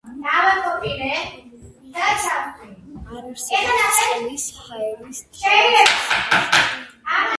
არსებობს წყლის, ჰაერის, ტალახის, ქვიშისა და სხვა აბაზანები.